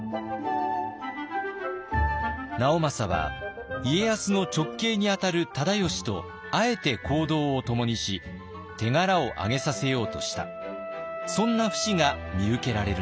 直政は家康の直系にあたる忠吉とあえて行動をともにし手柄をあげさせようとしたそんな節が見受けられるのです。